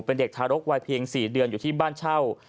เป็นเด็กทารกวัยเพียง๔เดือนอยู่ที่บ้านเช่า